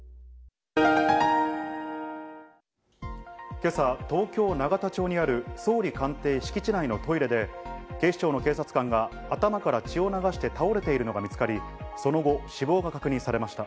今朝、東京・永田町にある総理官邸敷地内のトイレで、警視庁の警察官が頭から血を流して倒れているのが見つかり、その後、死亡が確認されました。